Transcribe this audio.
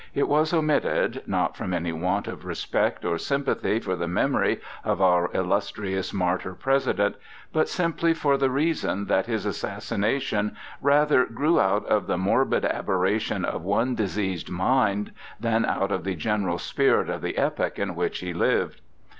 It was omitted, not from any want of respect or sympathy for the memory of our illustrious martyr President, but simply for the reason that his assassination rather grew out of the morbid aberration of one diseased mind than out of the general spirit of the epoch in which he lived.